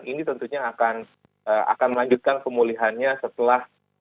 ini tentunya akan melanjutkan pemulihannya setelah